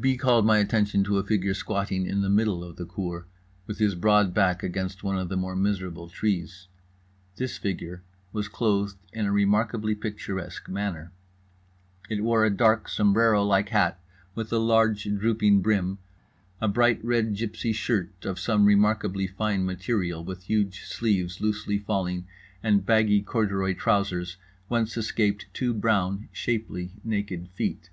B. called my attention to a figure squatting in the middle of the cour with his broad back against one of the more miserable trees. This figure was clothed in a remarkably picturesque manner: it wore a dark sombrero like hat with a large drooping brim, a bright red gipsy shirt of some remarkably fine material with huge sleeves loosely falling, and baggy corduroy trousers whence escaped two brown, shapely, naked feet.